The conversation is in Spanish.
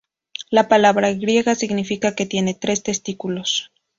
La palabra griega significa "que tienen tres testículos".